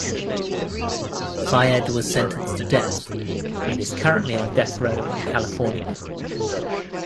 Fayed was sentenced to death, and is currently on death row in California.